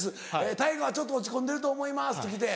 太賀はちょっと落ち込んでると思います」って来て。